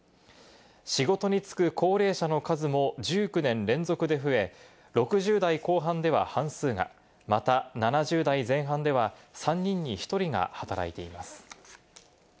仕事に就く、高齢者の数も１９年連続で増え、６０代後半では半数が、また、７０代前半では３人に１人が働いています。